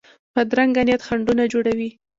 بدرنګه نیت خنډونه جوړوي